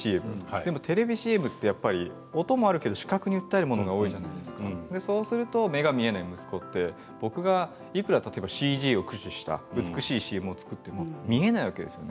でもテレビＣＭって音もあるけど視覚に訴えるものが多いじゃないですかそうすると目が見えない息子って僕がいくらＣＧを駆使した美しいＣＭを作っても見えないわけです。